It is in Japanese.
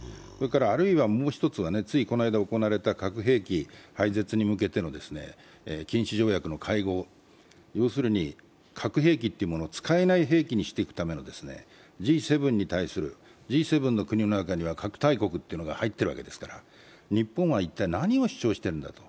あるいはつい先日行われた核兵器廃絶に向けての禁止条約の会合、要するに核兵器というものを使えない兵器にしていくためのＧ７に対する、Ｇ７の国の中には核大国が入っているわけですから、日本は一体、何を主張してるんだと